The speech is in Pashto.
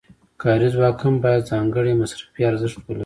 کاري ځواک هم باید ځانګړی مصرفي ارزښت ولري